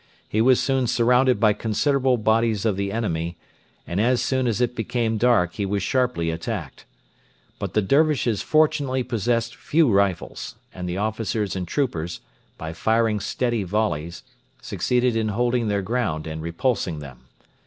He was soon surrounded by considerable bodies of the enemy, and as soon as it became dark he was sharply attacked. But the Dervishes fortunately possessed few rifles, and the officers and troopers, by firing steady volleys, succeeded in holding their ground and repulsing them.